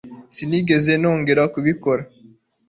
sinigeze nongera kubikora